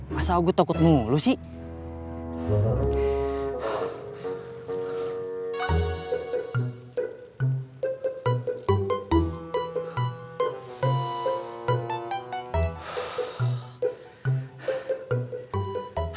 masa aku takut mulu sih